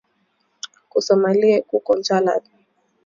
Ku somalie kuko njala sana